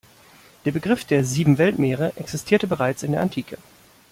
Der Begriff der "Sieben Weltmeere" existierte bereits in der Antike.